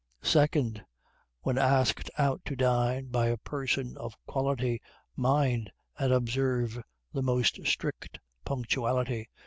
2_do._ When asked out to dine by a Person of Quality, Mind, and observe the most strict punctuality!